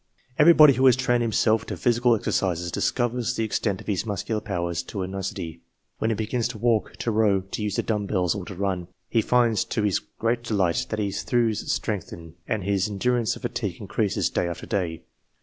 Everybody who has trained himself to physical exercises discovers the extent of his muscular powers to a nicety. When he begins to walk, to row, to use the dumb bells, ACCORDING TO THEIR NATURAL GIFTS 13 or to run, he finds to his great delight that his thews strengthen, and his endurance of fatigue increases day after day.